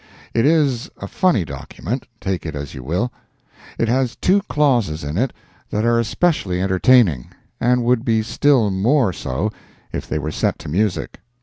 It is a funny document, take it as you will. It has two clauses in it that are especially entertaining, and would be still more so if they were set to music.